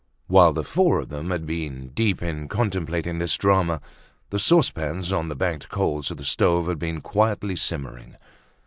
While the four of them had been deep in contemplating this drama, the saucepans on the banked coals of the stoves had been quietly simmering.